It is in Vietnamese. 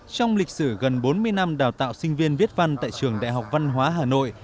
trong lịch sử gần bốn mươi năm đào tạo sinh viên viết văn tại trường đại học văn hóa hà nội